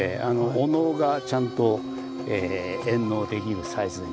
お能がちゃんと演能できるサイズに。